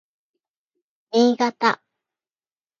新潟